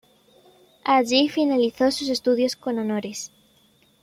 Allí finalizó sus estudios con honores.